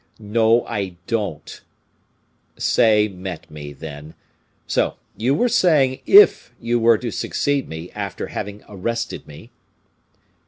"No, I don't." "Say met me, then. So, you were saying if you were to succeed me after having arrested me?"